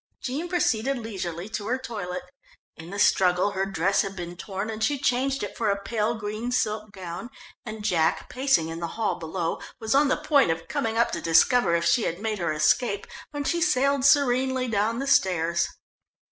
Jean proceeded leisurely to her toilet. In the struggle her dress had been torn, and she changed it for a pale green silk gown, and Jack, pacing in the hall below, was on the point of coming up to discover if she had made her escape, when she sailed serenely down the stairs.